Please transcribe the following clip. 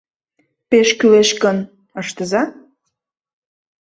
— Пеш кӱлеш гын, ыштыза.